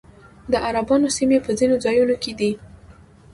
د عربانو سیمې په ځینو ځایونو کې دي